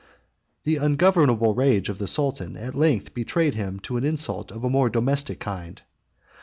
The ungovernable rage of the sultan at length betrayed him to an insult of a more domestic kind.